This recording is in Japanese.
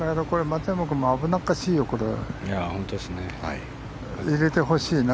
松山君も危なっかしいよ。